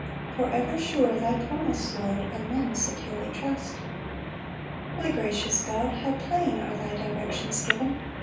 For ever sure thy promise, Lord, And men securely trust. 4 My gracious God, how plain Are thy directions given!